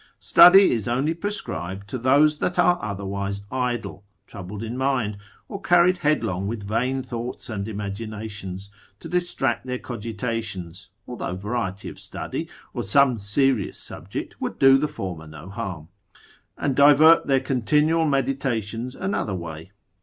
Study is only prescribed to those that are otherwise idle, troubled in mind, or carried headlong with vain thoughts and imaginations, to distract their cogitations (although variety of study, or some serious subject, would do the former no harm) and divert their continual meditations another way.